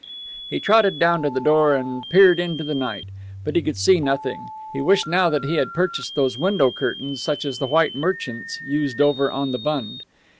He trotted down to the door and peered into the night, but he could see nothing. He wished now that he had purchased those window curtains such as the white merchants used over on the Bund.